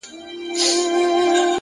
خاموشه هڅه تر لوړ غږه اغېزمنه ده.!